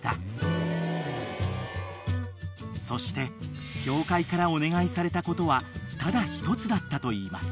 ［そして協会からお願いされたことはただ一つだったといいます］